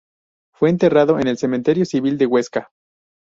Fue enterrado en el cementerio civil de Huesca.